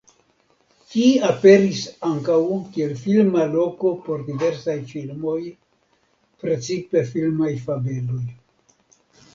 Ĝi aperis ankaŭ kiel filma loko por diversaj filmoj (precipe filmaj fabeloj).